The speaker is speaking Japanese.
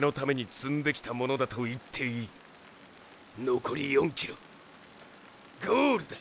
残り４ｋｍゴールだ。